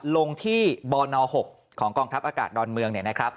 ลงที่บน๖ของกองทัพอากาศดอนเมืองเนี่ยนะครับ